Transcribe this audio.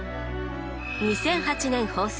２００８年放送。